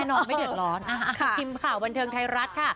แน่นอนไม่เดือดร้อน